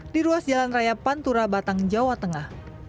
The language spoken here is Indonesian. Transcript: di ruas jalan raya pantura batang jawa tengah